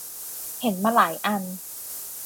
เห็นมาหลายอัน